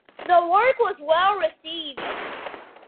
The work was well received.